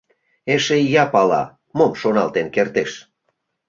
Эше ия пала, мом шоналтен кертеш.